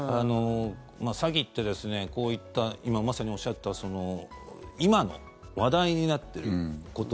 詐欺って、こういった今まさにおっしゃった今の話題になっていること